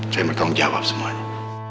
saya akan menjawab semuanya